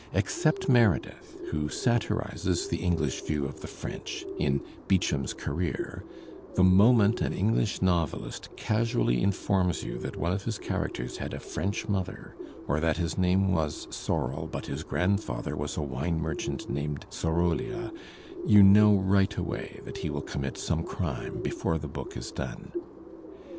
Except Meredith, who satirizes the English view of the French in "Beauchamp's Career," the moment an EngUsh novelist casually informs you that one of his characters had a French mother or that his name was Sorrel but his grandfather was a wine merchant named Sorolya, you know right away that he will commit some crime before the book is done.